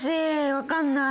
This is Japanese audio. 分かんない。